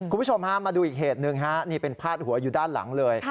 คุณผู้ชมฮะมาดูอีกเหตุหนึ่งฮะนี่เป็นพาดหัวอยู่ด้านหลังเลย